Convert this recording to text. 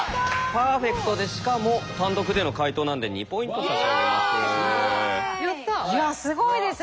パーフェクトでしかも単独での解答なんで２ポイント差し上げます。